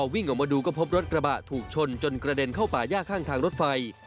วิ่งออกมาดูก็พบรถกระบะถูกชนจนกระเด็นเข้าป่าย่าข้างทางรถไฟ